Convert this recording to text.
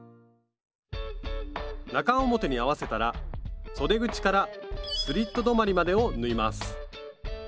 中表に合わせたらそで口からスリット止まりまでを縫います